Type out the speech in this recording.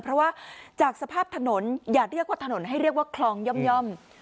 เพราะว่าจากสภาพถนนอย่าเรียกว่าถนนให้เรียกว่าคลองย่อม